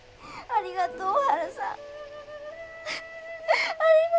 ありがとう。